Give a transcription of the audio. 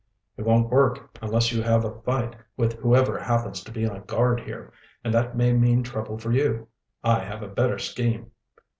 "It won't work, unless you have a fight with whoever happens to be on guard here and that may mean trouble for you. I have a better scheme."